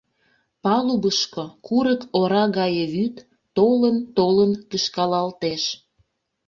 Палубышко курык ора гае вӱд толын-толын кышкалалтеш.